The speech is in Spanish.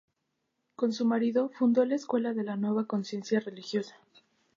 Con su marido fundó la escuela de la Nueva Conciencia Religiosa.